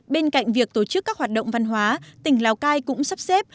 bên cạnh việc tổ chức các hoạt động văn hóa tỉnh lào cai cũng sắp xếp